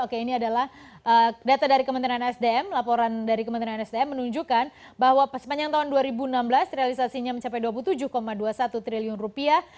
oke ini adalah data dari kementerian sdm laporan dari kementerian sdm menunjukkan bahwa sepanjang tahun dua ribu enam belas realisasinya mencapai dua puluh tujuh dua puluh satu triliun rupiah